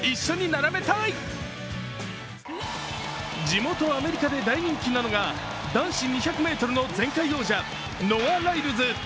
地元アメリカで大人気なのが男子２００ｍの前回王者、ノア・ライルズ。